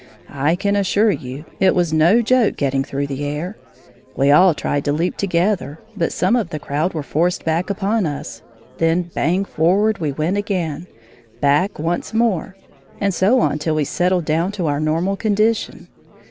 I can assure you it was no joke getting through the air. We all tried to leap together, but some of the crowd were forced back upon us; then bang forward we went again, back once more, and so on till we settled down to our normal condition.